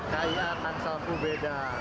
kia tangsel itu beda